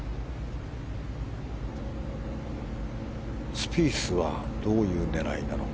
スピースはどういう狙いなのか。